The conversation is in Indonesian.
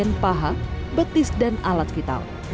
sehingga pada bagian paha betis dan alat vital